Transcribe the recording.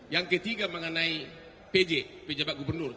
yang ketiga mengenai pj pejabat gubernur